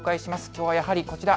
きょうはやはりこちら。